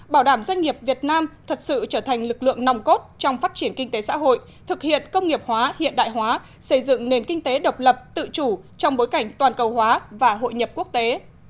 bảo đảm doanh nghiệp việt nam thật sự trở thành lực lượng nòng cốt trong phát triển kinh tế xã hội thực hiện công nghiệp hóa hiện đại hóa xây dựng nền kinh tế độc lập tự chủ trong bối cảnh toàn cầu hóa và hội nhập quốc tế